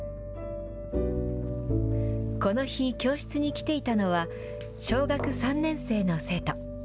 この日、教室に来ていたのは、小学３年生の生徒。